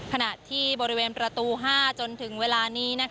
ขณะที่บริเวณประตู๕จนถึงเวลานี้